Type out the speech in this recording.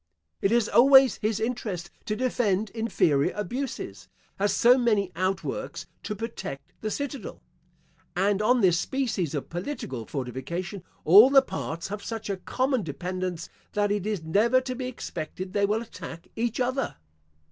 It is always his interest to defend inferior abuses, as so many outworks to protect the citadel; and on this species of political fortification, all the parts have such a common dependence that it is never to be expected they will attack each other.